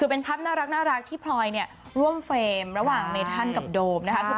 เป็นที่พอร์มฟเหมภ์บ่ายที่กันมาก